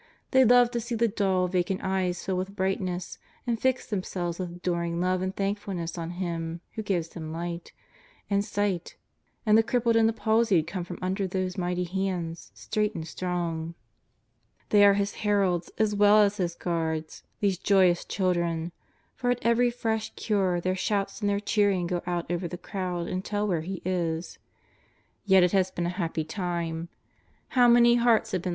They love to see the dull, vacant eyes fill with brightness and fix themselves with adoring love and thankfulness on Him who gives them light and sight, and the crippled and the palsied come from under those mighty hands straight and strong. They are His heralds, as well as His guards, these joyous children, for at every fresh cure their shouts and their cheering go out over the crowd and tell where He is. Yes, it has been a happy time; how many hearts have beep JESrS OF NAZARETH.